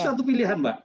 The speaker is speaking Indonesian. itu suatu pilihan mbak